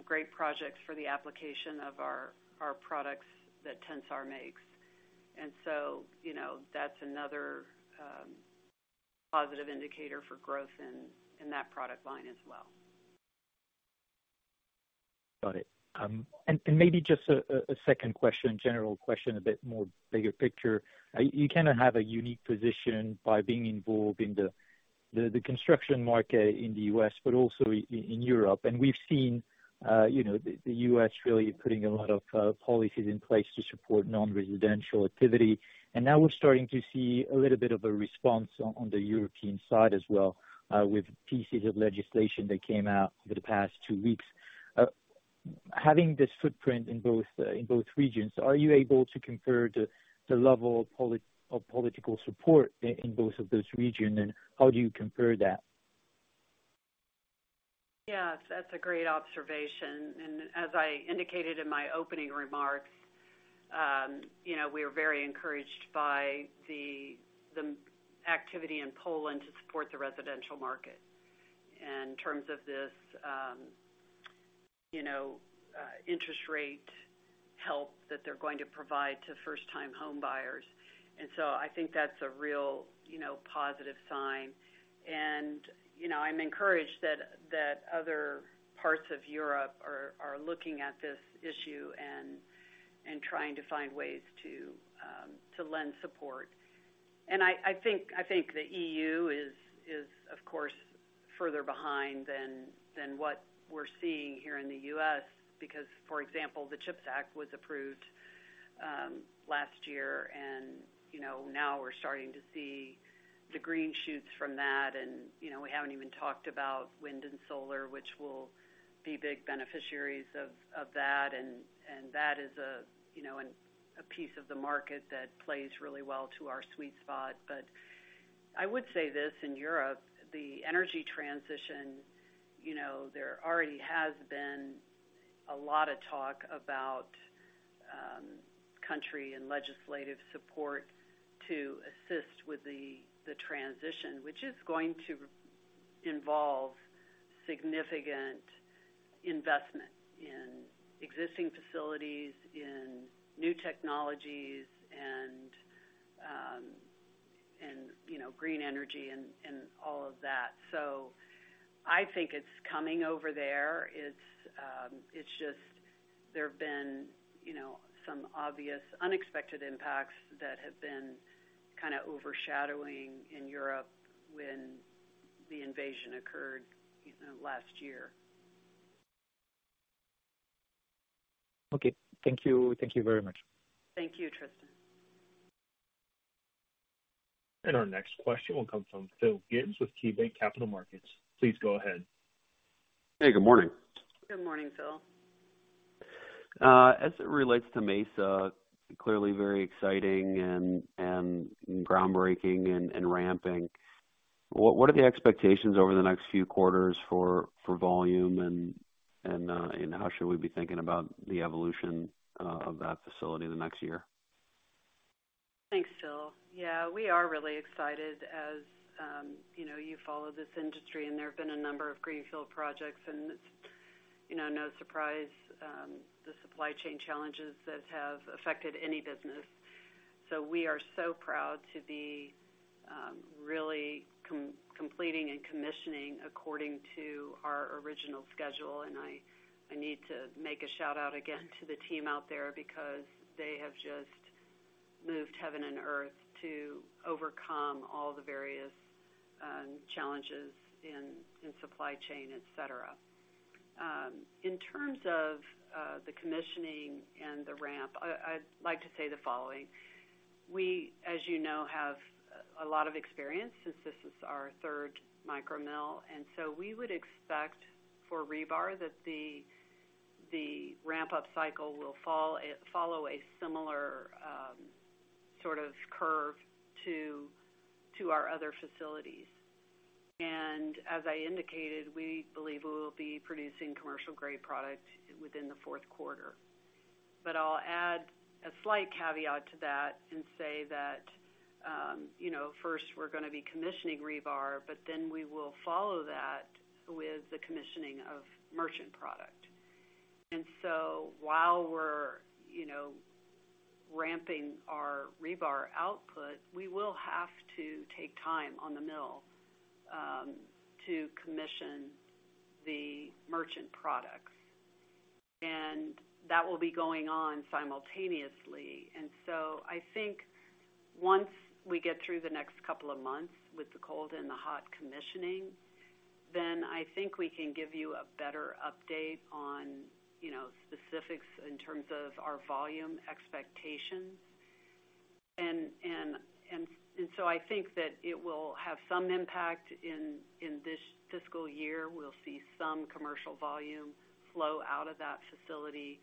great projects for the application of our products that Tensar makes. You know, that's another positive indicator for growth in that product line as well. Got it. Maybe just a second question, general question, a bit more bigger picture. You kind of have a unique position by being involved in the construction market in the U.S., but also in Europe. We've seen, you know, the U.S. really putting a lot of policies in place to support non-residential activity. Now we're starting to see a little bit of a response on the European side as well, with pieces of legislation that came out over the past two weeks. Having this footprint in both in both regions, are you able to compare the level of political support in both of those region, and how do you compare that? Yes, that's a great observation. As I indicated in my opening remarks, you know, we are very encouraged by the activity in Poland to support the residential market. In terms of this, you know, interest rate help that they're going to provide to first-time home buyers. I think that's a real, you know, positive sign. You know, I'm encouraged that other parts of Europe are looking at this issue and trying to find ways to lend support. I think, I think the EU is, of course, further behind than what we're seeing here in the U.S. because, for example, the CHIPS Act was approved last year and, you know, now we're starting to see the green shoots from that. You know, we haven't even talked about wind and solar, which will be big beneficiaries of that. That is a, you know, a piece of the market that plays really well to our sweet spot. I would say this, in Europe, the energy transition, you know, there already has been a lot of talk about country and legislative support to assist with the transition, which is going to involve significant investment in existing facilities, in new technologies and, you know, green energy and all of that. I think it's coming over there. It's just there have been, you know, some obvious unexpected impacts that have been kind of overshadowing in Europe when the invasion occurred, you know, last year. Okay. Thank you. Thank you very much. Thank you, Tristan. Our next question will come from Phil Gibbs with KeyBanc Capital Markets. Please go ahead. Hey, good morning. Good morning, Phil. As it relates to Mesa, clearly very exciting and groundbreaking and ramping. What are the expectations over the next few quarters for volume and how should we be thinking about the evolution of that facility in the next year? Thanks, Phil. We are really excited as, you know, you follow this industry, and there have been a number of greenfield projects, and it's, you know, no surprise, the supply chain challenges that have affected any business. We are so proud to be really completing and commissioning according to our original schedule. I need to make a shout-out again to the team out there because they have just moved heaven and earth to overcome all the various challenges in supply chain, et cetera. In terms of the commissioning and the ramp, I'd like to say the following. We, as you know, have a lot of experience since this is our third micro mill, and so we would expect for rebar that the ramp-up cycle will follow a similar sort of curve to our other facilities. As I indicated, we believe we'll be producing commercial grade product within the fourth quarter. I'll add a slight caveat to that and say that, you know, first we're gonna be commissioning rebar, but then we will follow that with the commissioning of merchant product. While we're, you know, ramping our rebar output, we will have to take time on the mill to commission the merchant products. That will be going on simultaneously. I think once we get through the next couple of months with the cold and the hot commissioning, then I think we can give you a better update on, you know, specifics in terms of our volume expectations. I think that it will have some impact in this fiscal year. We'll see some commercial volume flow out of that facility,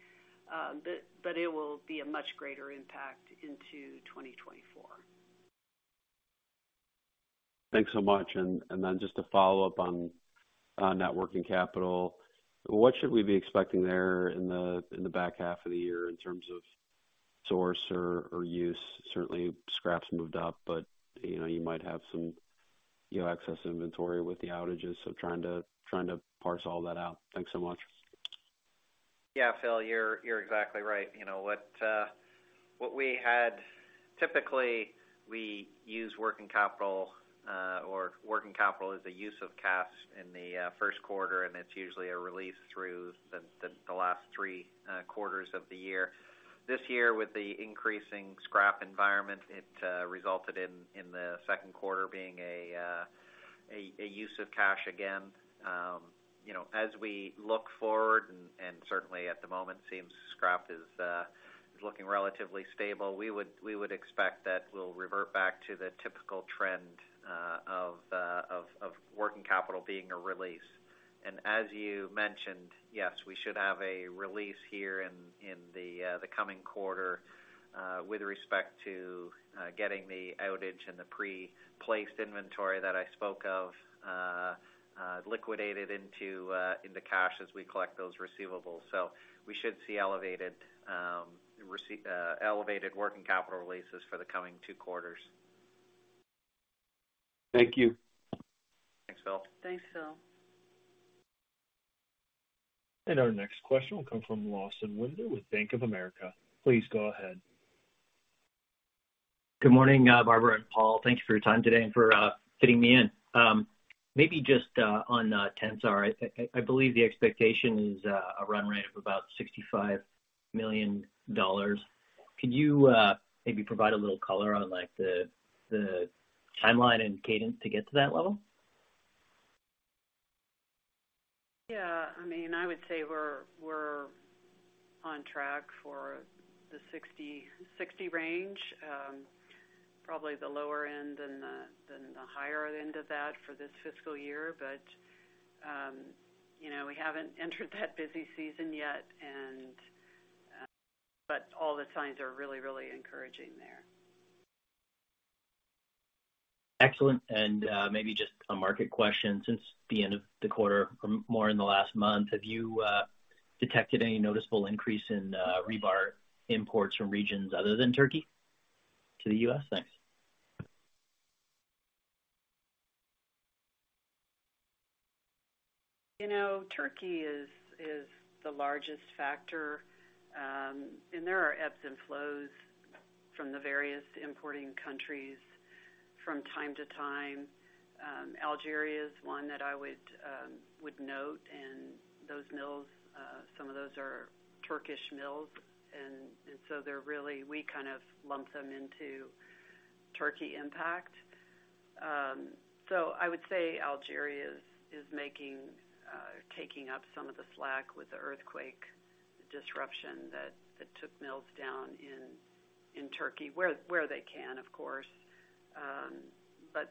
but it will be a much greater impact into 2024. Thanks so much. Just to follow up on net working capital, what should we be expecting there in the back half of the year in terms of source or use? Certainly, scrap's moved up, but, you know, you might have some, you know, excess inventory with the outages, so trying to parse all that out. Thanks so much. Yeah, Phil, you're exactly right. You know what, typically, we use working capital, or working capital is a use of cash in the first quarter, and it's usually a release through the last three quarters of the year. This year, with the increasing scrap environment, it resulted in the second quarter being a use of cash again. You know, as we look forward, and certainly at the moment, seems scrap is looking relatively stable, we would expect that we'll revert back to the typical trend of working capital being a release. As you mentioned, yes, we should have a release here in the coming quarter with respect to getting the outage and the pre-placed inventory that I spoke of liquidated into cash as we collect those receivables. We should see elevated working capital releases for the coming two quarters. Thank you. Thanks, Phil. Thanks, Phil. Our next question will come from Lawson Winder with Bank of America. Please go ahead. Good morning, Barbara and Paul. Thank you for your time today and for fitting me in. Maybe just on Tensar. I believe the expectation is a run rate of about $65 million. Could you maybe provide a little color on, like, the timeline and cadence to get to that level? Yeah. I mean, I would say we're on track for the 60 range. Probably the lower end than the higher end of that for this fiscal year. You know, we haven't entered that busy season yet. All the signs are really, really encouraging there. Excellent. Maybe just a market question since the end of the quarter or more in the last month. Have you detected any noticeable increase in rebar imports from regions other than Turkey to the US? Thanks. You know, Turkey is the largest factor. There are ebbs and flows from the various importing countries from time to time. Algeria is one that I would note. Those mills, some of those are Turkish mills. They're really we kind of lump them into Turkey impact. I would say Algeria is making, taking up some of the slack with the earthquake disruption that took mills down in Turkey, where they can, of course.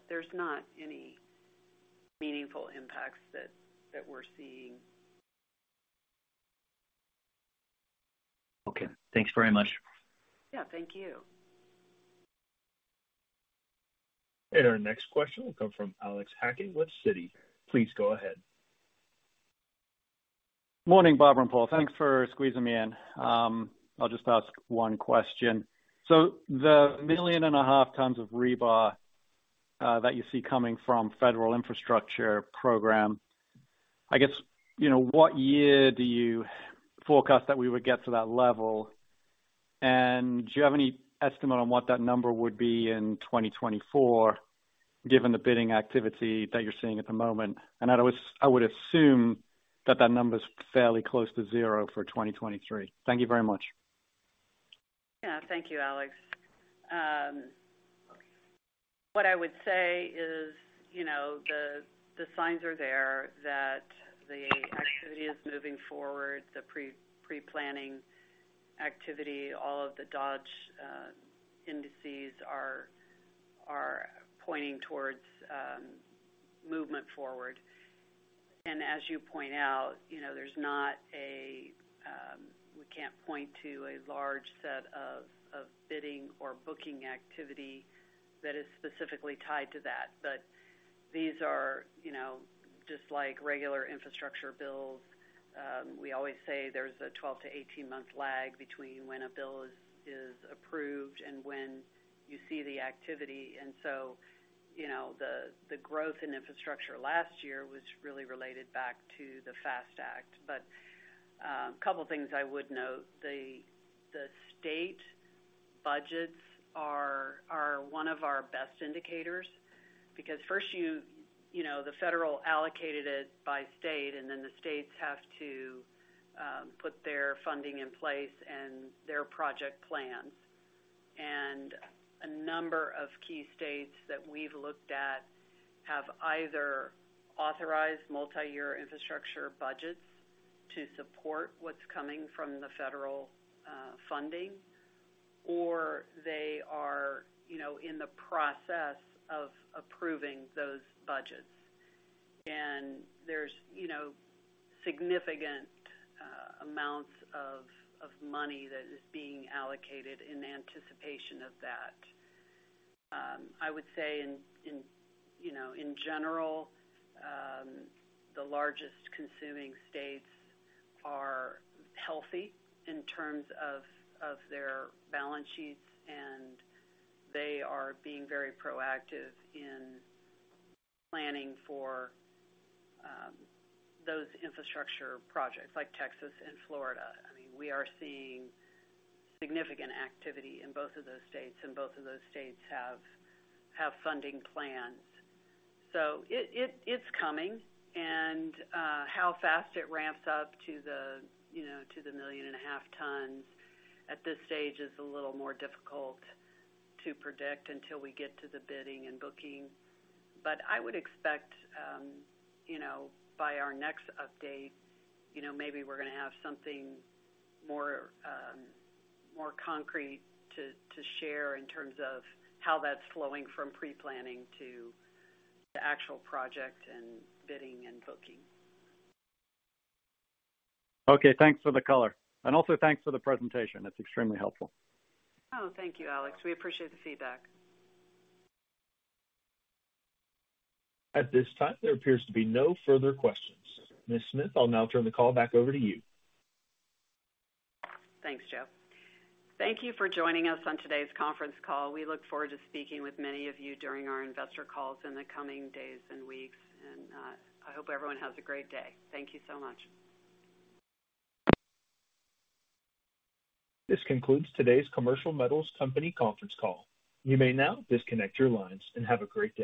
There's not any meaningful impacts that we're seeing. Okay. Thanks very much. Yeah. Thank you. Our next question will come from Alex Hacking with Citi. Please go ahead. Morning, Barbara and Paul. Thanks for squeezing me in. I'll just ask one question. The 1.5 million tons of rebar that you see coming from federal infrastructure program, I guess, you know, what year do you forecast that we would get to that level? Do you have any estimate on what that number would be in 2024, given the bidding activity that you're seeing at the moment? I would, I would assume that that number's fairly close to zero for 2023. Thank you very much. Yeah. Thank you, Alex. What I would say is, you know, the signs are there that the activity is moving forward, the pre-planning activity, all of the Dodge indices are pointing towards movement forward. As you point out, you know, there's not a, we can't point to a large set of bidding or booking activity that is specifically tied to that. These are, you know, just like regular infrastructure bills. We always say there's a 12-18 month lag between when a bill is approved and when you see the activity. So, you know, the growth in infrastructure last year was really related back to the FAST Act. Couple things I would note. The state budgets are one of our best indicators because first you know, the federal allocated it by state, and then the states have to put their funding in place and their project plans. A number of key states that we've looked at have either authorized multi-year infrastructure budgets to support what's coming from the federal funding, or they are, you know, in the process of approving those budgets. There's, you know, significant amounts of money that is being allocated in anticipation of that. I would say in general, the largest consuming states are healthy in terms of their balance sheets, and they are being very proactive in planning for those infrastructure projects like Texas and Florida. I mean, we are seeing significant activity in both of those states. Both of those states have funding plans. It's coming. How fast it ramps up to the, you know, to the million and a half tons at this stage is a little more difficult to predict until we get to the bidding and booking. I would expect, you know, by our next update, you know, maybe we're gonna have something more concrete to share in terms of how that's flowing from pre-planning to the actual project and bidding and booking. Okay. Thanks for the color. Also thanks for the presentation. It's extremely helpful. Oh, thank you, Alex. We appreciate the feedback. At this time, there appears to be no further questions. Ms. Smith, I'll now turn the call back over to you. Thanks, Joe. Thank you for joining us on today's conference call. We look forward to speaking with many of you during our investor calls in the coming days and weeks. I hope everyone has a great day. Thank you so much. This concludes today's Commercial Metals Company conference call. You may now disconnect your lines and have a great day.